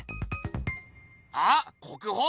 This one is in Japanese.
あっ国宝？